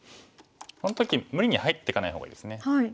この時無理に入っていかない方がいいですね。